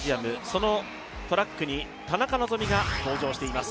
そのトラックに田中希実が登場しています。